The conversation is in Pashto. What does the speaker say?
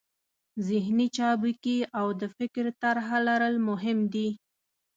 ذهني چابکي او د فکر طرحه لرل مهم دي.